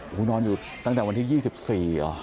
โอ้โหนอนอยู่ตั้งแต่วันที่๒๔เหรอ